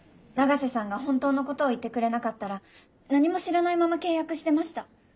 永瀬さんが本当のことを言ってくれなかったら何も知らないまま契約してました。